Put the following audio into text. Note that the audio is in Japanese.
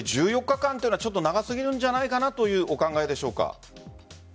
１４日間というのは長すぎるんじゃないかなとお考えでしょうか？